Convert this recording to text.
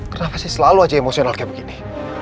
kenapa sih selalu aja emosional kayak begini